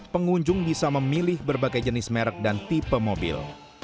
pengunjung bisa memilih berbagai jenis merek dan tipe mobil